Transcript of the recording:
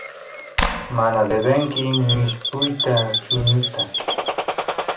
mana debenki mishpuyta chuñuta